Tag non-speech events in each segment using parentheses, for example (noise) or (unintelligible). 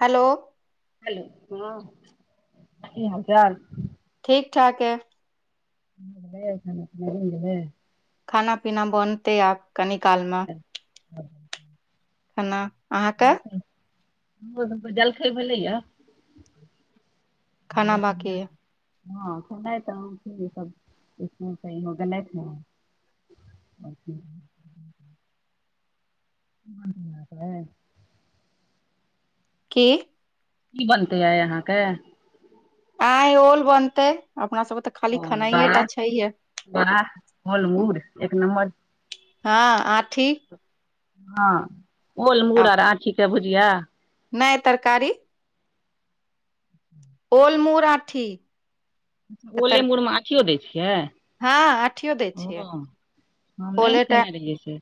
Hello hello हँ, की हाल-चाल? ठीक ठाक ऐहि। ै गेलबै (inaudible) खाना-पीना बनतेै आब कनि कालमे ह (inaudible) खना अहाँके? जलखै भेलैए खाना ब बाकी य (inaudible) हँ सुना तऽ सब हो गेल (unintelligible) अचछा (unintelligible) ब (unintelligible) की? की बनतै आइ अहाँके? आइ ओल बनतै अपना सबके तऽ खाली ओल, खेनाइये टा छैहे वाह-वाह, ओल-मूर एक नम्बर हँ आठी हँ ओल-मूर आर आँठीके भुजिया नइ, तरकारी ओलमूर आंठी ओलेमुरमे आंठियो दै छियै? हँ आठियो दै ओ छियै, हम नहि ओले टा केने रहियै से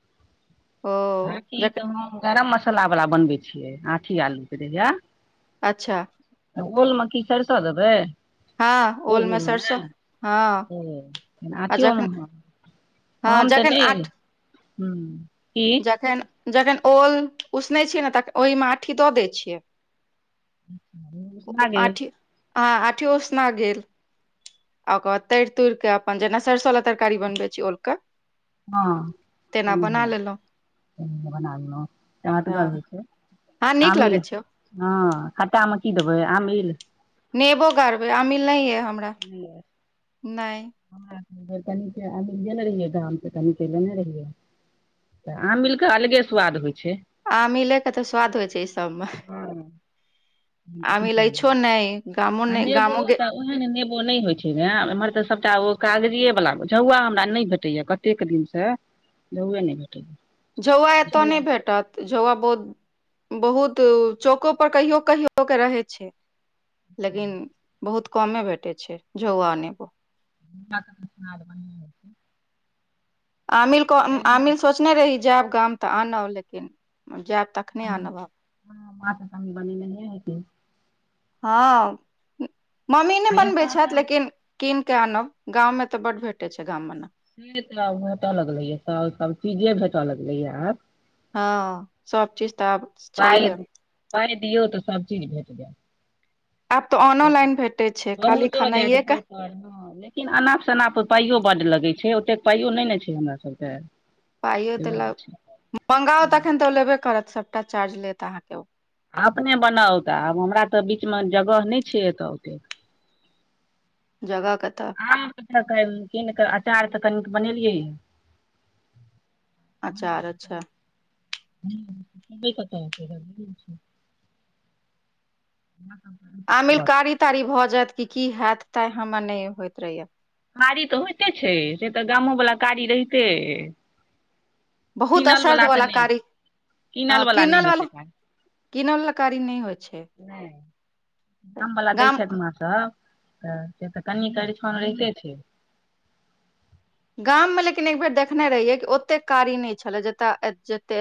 ओ आँठी जकरा तऽ हम गरम मसाला वला बनबै छियै आठी आलूके रहिया अच्छा ओल में की सरसो देबै हँ ओल मे म सरसो हँ ह आ आठियो जखन म हँ हम तऽ जखन नहि ह तखन जखन ओल उसने छिय ने तख ओहिमे आठी दऽ दै छियै उसना ओ गेल आठ हँ आठीयो उषना गेलल आ ओकर बाद तरि तोरि कऽ अपन जेना सरिसो लला तरकारी बनबै छी ओलके हँ लेलहुँ बना तमे त गर् हो हँ छै हँ नीक आमीिल लगै छै (unintelligible) हँ खट्टामे की देबै आमिल नेबो गाड़बे अमिल नहि ये हमरा ज नय हर कनी अ जेने रहियै धाम से कनी च लेने रहियै तऽ आम मिलकेऽ अलगे स्वाद होइ छै आ मिले के तऽ स्वाद होइ छै ई सबमे हँ की आमील करबै अइछो नहि गामो नहि गामो ओह ने नेबो नहि होइ छै ग एमहरऽ सबटा ओ कागजे बला झौआ हमरा नहि भेटैया क दिनसँ जौए नहि भेटै झौआ एतऽ नहि भेटत झोआ बहुत बहुत चौको पर कहियो कहियो के रहे छै लेकिन बहुत कमे भेटैत छै झौआ नेबो ब आमिलके आमिल सोचने रही जायब गाम तऽ आनब लेकिन जायब तखने आनब आब ह मात तमी बल ने नेे हेतन हँ मम्मी नय आ बनबै एतऽ छथि तऽ लेकिन कीन के आनब गाँव में तऽ बड भेटे छै गाम मे ने ह त भेटे लगले या सब सब चीजे भेटे लगले य आब हँ सब चीज तऽ आब पाइ छैहे पाइ दियौ तऽ सभचीज भेट जैत आब तऽ ऑनोलाइन भेटे छै खाली खेनाइए के कर ह (inaudible) लेकिन अनाप शनाप पाइयो बड लगै छै ओतेक पाइयो नहि ने छै हमरा सबके पाइयो तऽ ल मंगाउ तखन तऽ ओ लेबे करत सभटा चार्ज लेत अहाँके ओ अपने बनाउ तऽ आब हमरा तऽ बीचमे जगह नहि छै एतय ओतेक जगह कतऽ आ कीन कऽ अचार तऽ कनिक बनेलियै अचार अच्छा पता ह ह (inaudible) आमिल कारी ताारी भए जायत कि की हैय तै हमर नहि होयइत रहयै कारी तऽ होइते छै से तऽ गामो वला कारी रहितेए बहुत असरद वल्ला नहि कारी कीनल ह वला नहि किनल होइ छै वालो कारी किनल लकारी नहि होइ छै नहि आमवला दै गाम छथि अहाँ सब तऽ से तऽ कनि करिछन रहिते छै गाम मे लेकिन एक बेर देखने रहियै कि ओतेक कारी नहि छलै जतय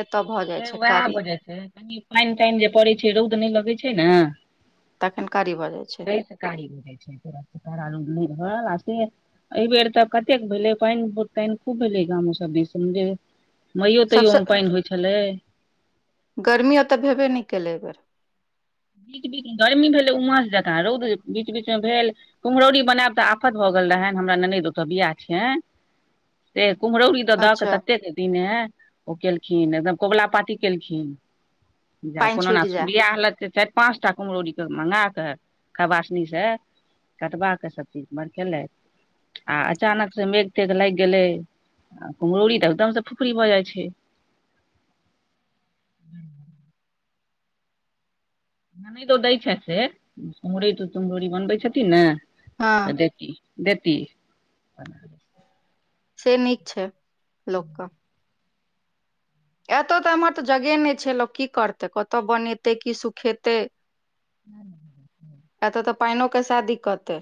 ए तऽ भ जै नेउएह वजह छै कनि पाइन ताइन जे पड़ै छै रौद नहि लगै छै ने तखन कारी भऽ जाइ छै (inaudible) एहि बेेर तऽ कतेक भेलै काइन काइन खूब भेलै गाम सब दिसन से न यो तइयो ओ सबसँ मे पाइन होइ छलै गर्मी ऐत भेबे न कयेलै एहि बेेर बीच बीच मे गर्मी भेलै उमस जका रौद बीच बीच मे भेल कुम्हरौरी बनायब तऽ आफत भऽ गेल रहैन हमरा ननद ओतऽ बियाह छियै से कुम्हरौरी त दऽ के अच्छा ततेक दिन ह ओ केलखिन एकदम कबुला पााती केलखिन जा पानि कोनो न छुटि जाय बियाह लगतै चारि पाँच टा कुम्हरौरी के मंगा कऽ खबासनीसँ कटबा कऽ सभचीज बड़कैलैथ आ अचानक से मेघ तेघ लागि गेलै आ कुम्हरौरी तऽ एकदम से फुफरी भऽ जाइ छै ननैद दै छैथ से कुम्हरौरी तऽ तुमहरूरी बनबै छथिन ने हँ तऽ दैथीन देती (unintelligible) से नीक छै लोक क एतय तऽ एमहर तऽ जगह न छै लोक की करतै कतय बनेतै की सुखेतै (inaudible) एतऽ तऽ पाइनों क सेह दिक्कते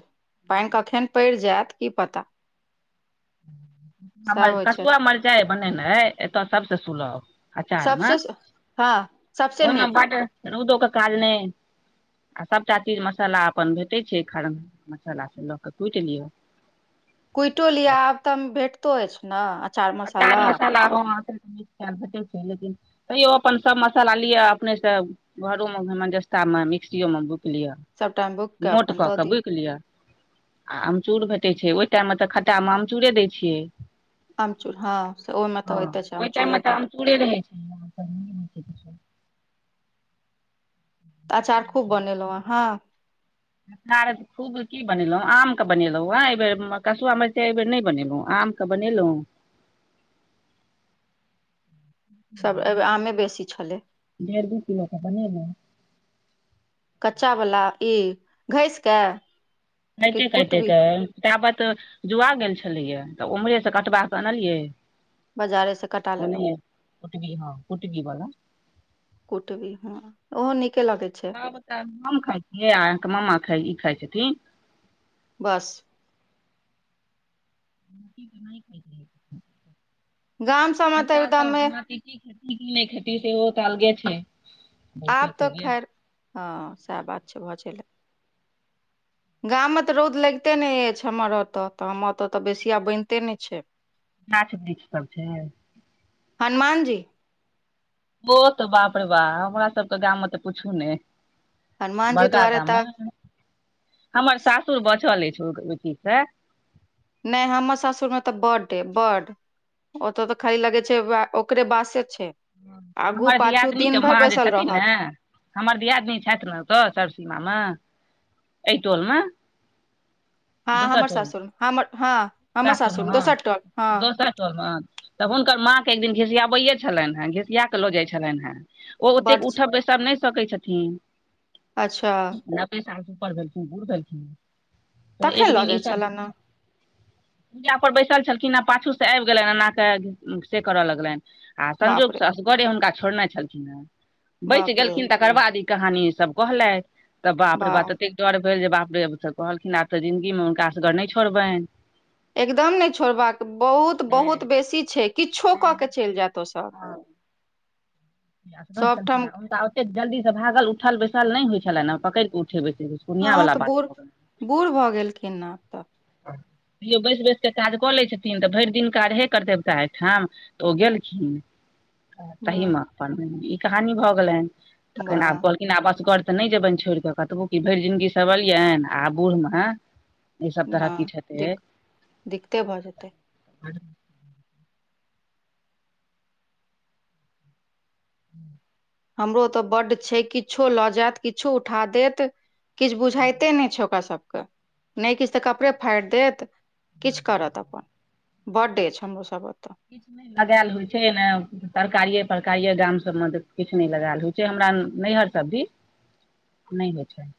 पाइन कखन पैड़ जायत की पता (unintelligible) सएह हमर होइ छै कसुआ एतय। मरचाइ बनेनाइ एतऽ सभसँ सुलभ अचारमे सबसे हँ सबसे ओना नीक बढ़ रौदों क काज ने आ सभटा चीज मसाला अपन भेटैत छै खरम मसालासँ लऽ कऽ कुटि लिअ कुटिओ लिअ आब तऽ भेटतो अछि न अचार मसाला अ (unintelligible) (unintelligible) भेटै छै लेकिन तयो अपन सब मसाला लिअ अपने स घरो मे धमनजस्ता मे मिक्सियो में बुकि लिअ सबटा बुक के मोट अपन क दऽ के दियौ बुकि लिअ आ आमचूर भेटैत छै ओह टाइम मे त खटा मे अमचूरे दै छियै आमचूर हँ से ओहि मे तऽ होयइते छै आमचूरे टा पुरे (unintelligible) तऽ अचार खूब बनेलहुँ अहाँ (inaudible) खूब की बनेलहुँ आम क बनेलहुँ आँ एहिब बेर कसुआ मिरचाई एहि बेर न बनेलहुँ आम के बनेलहुँ सब एहिबेर आमे बेसी छलै (inaudible) कच्चाावला ई घाइस कऽ खाइते खाइते क ताबत जुआ गेल छलैया तऽ उम्हरे से कटबा कऽ अनलियै बाजारे से कटा (unintelligible) लेलहुँ हँ कटबी बला कुटबीह ओहो नीके लगै छै तब हम खाइ छियै आ अहाँके मामा ई खााय छथिन बस (unintelligible) (inaudible) (unintelligible) एकदमे नहि खती से ओ चालगे छै गलती आब भ तऽ गेल खैर हँ सएह बात छै भ चलै (inaudible) गाममे तऽ रौद लगिते नहि अछि हमर ओतय तऽ हम ओतय तऽ बेसी आ बनतै न छै गाछ वृक्ष सब छै हनुमान जी ओहे बाप र बा हमरा सबके गाम मे तऽ पुछू ने हनुमान जी बड़का दुआरे गाममे तऽ हमर सासुर बचल अछि ओइ चीज से न हमर सासुरमे तऽ बड बड ओत त खाली लगै छै ओकरे बासे छै (unintelligible) आगू हमर पाछू दियादिनीके दिन भरि माँ जे बैसल छथिन ने रहत हमर दियादनी छथि ने तऽ सरसीमा मे एहि टोलमे हँ हमर सासुर हमर हँ हमर सासुर दोसर टक हँ दोसर तऽ हुनकर माँ के एक दिन घिसियाबैे छलनि हेँ घिसिया के लऽ जाइत छलनि हेँ ओ ओतेक बड छै उठब बैसब न सकै छथिन अच्छा नबै सालसँ ऊपर भेलखिन बूढ़ भेलखिन फेर तखन एक लऽ दिन जाइ ईस छले ने पूजा पर बैसल छलखिन आ पाछू से आबि गेलनि एना के से करय लगलनि बाप संजोगसँ रे असगरे हुनका छोड़ने छलखिन हँ बचि बाप रे गेलखिन तऽ करबाद ई कहानी ई सब कहलथि तऽ बाप रे बा वाह ततेक डर भेल जे बाप रे त कहलखिन आब त जिंन्दगीमे हुनका सबके नहि छोड़बे एकदम नहि छोड़बाक बहुत बहुत बेसी छै किछो क के चलि जायत ओ सब (inaudible) सबठाम हमरा ओत जल्दी सँ भागल उठल बैसल नहि होइ छलनि ने पकड़ क उठे बैसे हँ तऽ बूढ़ बूढ़ भऽ गेलखिन ने तऽ तो बैस बैस क काज क लै छथिन त भरि दिन काहे करते ओकरा एहिठा तऽ ओ गेलखिन त तहि वाह मे अपन ई कहानी भऽ गेलनि तखन आब वाह कह किना आब असगरर तऽ नहि जेबनि छोड़ि कऽ कतबो कि भरि जिनगी सब रहलियनि आ बूढ़मे ई सब तरह वाह किछु हेतै दिक दिक्कते भऽ जेतै ह हमरो तऽ बड्ड छै किछो लऽ जायत किछो उठा देत किछु बुझाइते नहि छै ओकरा सबके नहि किछु तऽ कपड़े फाड़ि देत किछु करत अपन बड़ हमरोसभ एत किछु नहि (unintelligible) लगायल होय छै ने तरकारिये परकारिये गाम सब मे किछ नहि लगायल होय छै हमरा नैहर सब भी नहि होइ छै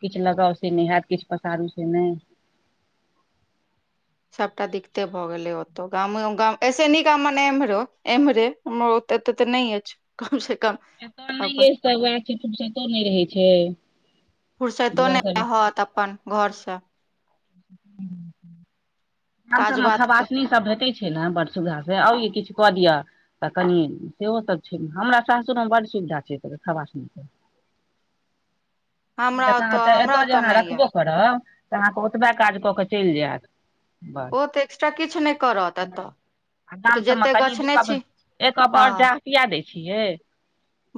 किछु लगाउ से नहि हयत किछु पसारू से नहि सबटा दिक्ते भऽ गेले ओतो गामे गाम ऐसे नीक गाम एम्हरो एम्हरे हम ओते एते ते नहि अछि कम से कम ए अपन तोनहि तह फुसतो नहि रहै छै बौआ सब ह त अपन घर सँ ह (unintelligible) आ काज सभमे बात के खबासनी सभ भेटैत छै ने बड़ सुविधा से आ ई किछु कऽ दिअ तऽ कनि सेहोसभ छै हमरा सासुरमे बड्ड सुविधा छै खबासनि ज हमरा ओतऽ हमरा एतय जे ओतऽ अहाँ नहि ये रखबो करब त अहाँके ओतबा काज क के चल जायत बस ओ तऽ एक्स्ट्रा किछु नहि करत एतऽ आ दाम ओतऽ सभमे जते कनि दू गछने क छी एक हँ बर दटिया दै छियै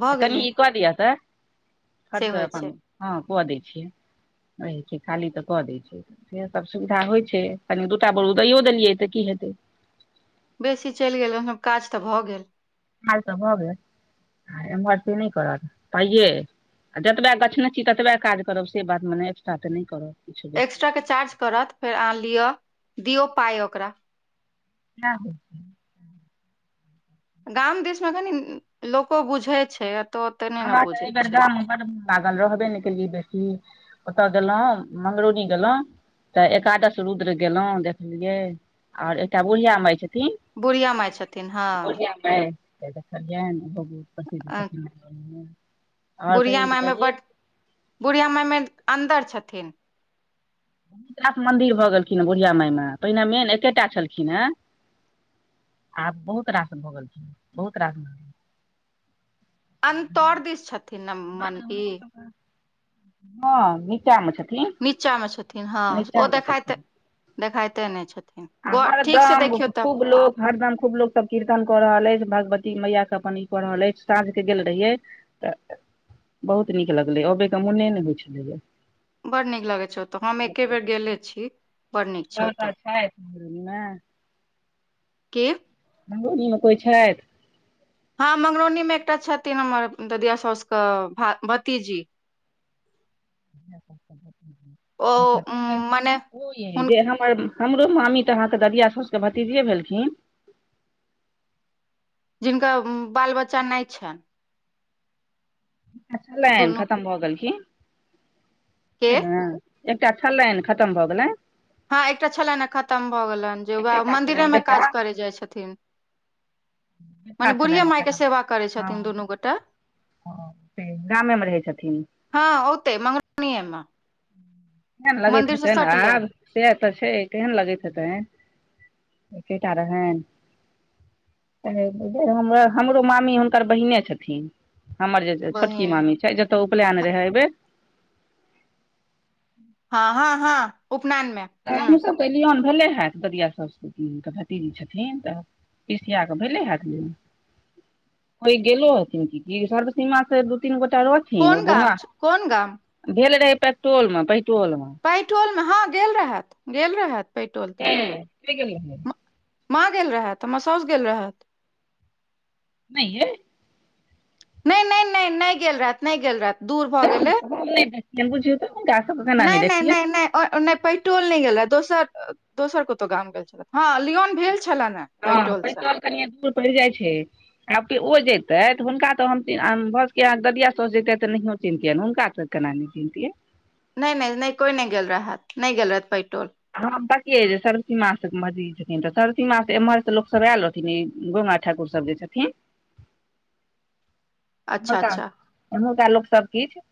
भऽ ऽ कनि गेलै ई कऽ दिअ तऽ से खर्च होइ छै अपन हँ कऽ दै छियै अछै खाली तऽ कऽ दै छै इह सब सुविधा होइ छै कनि दूटा बोर उदैयो देलियै त की हेतै बेसी चलि गेल ह काज त भ गेल हाल तऽ भऽ गेल आ एमहर ती नहि करत तइये आ जतबा गछने छी ततबे काज करब से बात मने एकस्ट्रा त नहि करब किछु बेसी एक्स्ट्राके चार्ज करत फेर अहाँ लिअ दियौ पाइ ओकरा न हो गाम दिस मे कनि लोको बुझै छै ए त ओते नहि ने हमरा तऽ एहि बुझैत बेर छै गाममे बड्ड मन लागल रहबे नहि केलियै बेसी ओतय गेलहुँ मंगरूनी गेलहुँ त एकादश रुद्र गेलो देखलियै और एकटा बुढ़िया माय छथिन बुढ़िया मााय छथिन हँ (unintelligible) आओर बुढ़िया कहियो माय चचा मे जी बड बुढ़िया माय मे अन्दर छथिन खास मन्दिर भऽ गेलखिनहे बुढ़िया माायमे पहिने मेन एकेटा छलखिनहे आब बहुत रास भऽ गेलखिनहे बहुत रास अन्तौर दिस छथि हँ नीचामे छथिन नीचामे छथिन, हँ ओ नीचा मे देखाइते देखाइते नहि छथिन ग हमर ठीक से गाम देखियौ (unintelligible) तऽ खूब लोक हरदम खूब लोक सभ कीर्तन कऽ रहल अछि, भगवती मैयाके अपन ई कऽ रहल अछि साँझके गेल रहिये तऽ बहुत नीक लगलै अबयके मोने नहि होइत छलैय बड़ नीक लगै छै ओतऽ हम एके बेर गेले छी बड़ नीक छै ओ तऽ ओतऽ अच्छा ह मे (unintelligible) के? मंगरौनीमे कोइ छथि? हँ मंगरौनीमे एकटा छथिन हमर ददिया साउसके भतिजी ओ च्छा उम, त मने ओ हुन जे हम (unintelligible) हमर हमरो मामी तऽ अहाँके ददिया साउसके भतिजिये भेलखिन? जिनका बाल-बच्चा नहि छनि। अच्छा छलनि, दुनू खतम भऽ गेलखिन के छै ने एकटा छलनि, खतम भऽ गेलनि हँ एकटा छलनिए खतम भऽ गेलनि, जे उएह छलनि मन्दिरेमे बेटा काजकरेै जाइ छथिन। बेटा मने छलनि बुढ़िये हुनकर मायके सेवा करै छथिन हँ दुनू गोटा? हँ से गामेमे रहैत छथिन हँ ओतहि मंगरौनीयेमे कहेने लगैत हेतैनि आब? सैह तऽ छै, केहन लगैत हेतैनि? एकेटा रहैन हमरो मामी हुनकर बहिने छथिन हमर जे छोटकी बहिन मामी छै जतय उपनयन रहै एहिबेर हू (inaudible) हँ हँ हँ उपनयनमे हमहूँ सभके लियौन भेले हैत ददिया साउसके भतिजी छथिन तऽ पिसियाके भेले हैत? कोइ गेलो हथिन की? सर्वसीमासे दू-तीन गोटा रोज न ओ कोन गाम गुगा छ- कोन गाम भेल रहे पेट्रोल मे पेट्रोल मे (unintelligible) पैटोलमे हँ गेल रहैत गेल रहैत पैटोल तऽ (unintelligible) क गेल (unintelligible) म- माँ गेल रहथि तऽ साउस गेल रहथि नहि यै। नहि नहि नहि, नहि गेल रहथि नहि गेल रहथि। दूर भऽ गेलै ह बुझियौ त गाछ पका नहि नानी नहि देखियै नहि (unintelligible) नहि नहि पैटोल नहि गेलै दोसर दोसर कतहु गाम गेल छलथिहे। हँ लियौन भेल छलनिहे हँ पैटोल कनि दूर पड़ि जाइ छै (unintelligible) आब ओ जेतैथि हुनका तऽ हम भऽ सकैए कहाँ ददिया साउस जेतैथि तऽ नहियो चिन्हतियनि हुनका तऽ केना नहि चिन्हतियनि? नहि नहि नहि कोई नहि गेल रहथि। नहि गेल रहत पैटोल (unintelligible) सर्वसीमा से मजद छथिन तऽ सर्वसीमा से एम्हरके लोक सब आयल (unintelligible) गोइमा ठाकुर सब जे छथिन अच्छा हुनका अच्छा एम्हुरका लोक सभ किछु